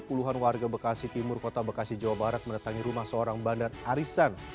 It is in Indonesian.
puluhan warga bekasi timur kota bekasi jawa barat mendatangi rumah seorang bandar arisan